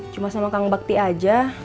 cuma sama kang bakti aja